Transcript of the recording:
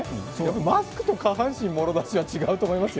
マスクと下半身もろ出しとは違うと思いますよ。